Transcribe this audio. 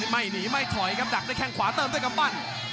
ไม่หนีไม่ถอยครับดักด้วยแข้งขวาเติมด้วยกำปั้น